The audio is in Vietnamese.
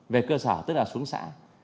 về cơ sở tức là xuống xã